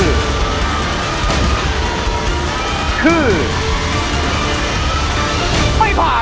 ยังเพราะความสำคัญ